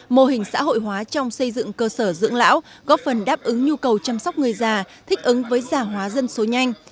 mô hình xã hội hóa trong xây dựng cơ sở dưỡng lão góp phần đáp ứng nhu cầu chăm sóc người già thích ứng với gia hóa dân số nhanh